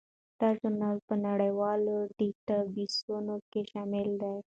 دا ژورنال په نړیوالو ډیټابیسونو کې شامل دی.